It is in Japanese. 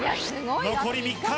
残り３日。